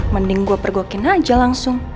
mending gue pergokin aja langsung